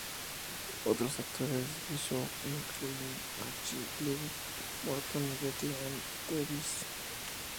Otros actores de ese show incluían a Clive Morton y Betty Ann Davies.